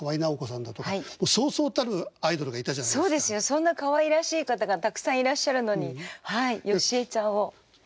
そんなかわいらしい方がたくさんいらっしゃるのにはい芳恵ちゃんを推していただいて。